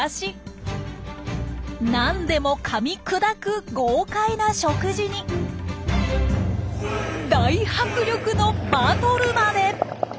何でもかみ砕く豪快な食事に大迫力のバトルまで。